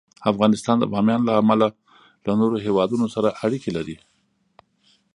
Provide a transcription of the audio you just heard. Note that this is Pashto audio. افغانستان د بامیان له امله له نورو هېوادونو سره اړیکې لري.